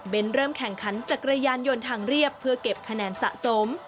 เป็นเริ่มแข่งขันจักรยานยนต์ทางเรียบเพื่อเก็บคะแนนสะสม